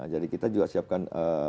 jadi kita juga siapkan